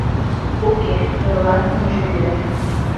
Уке, нунылан ынже пӱрӧ